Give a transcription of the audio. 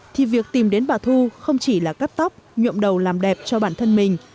thì việc tìm đến bà thu không chỉ là cắt tóc nhuộm đầu làm đẹp cho bản thân mình